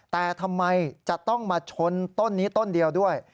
แต่ทำไมจะต้องมาชนต้นนี้ต้นเดียวด้วย